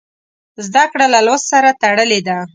زده کړه له لوست سره تړلې ده.